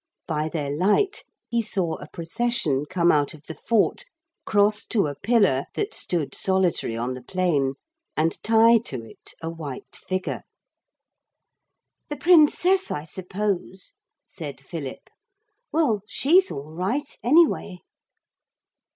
By their light he saw a procession come out of the fort, cross to a pillar that stood solitary on the plain, and tie to it a white figure. 'The Princess, I suppose,' said Philip; 'well, she's all right anyway.'